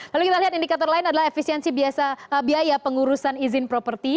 lalu kita lihat indikator lain adalah efisiensi biaya pengurusan izin properti